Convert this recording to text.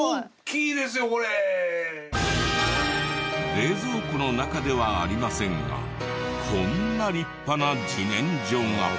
冷蔵庫の中ではありませんがこんな立派な自然薯が。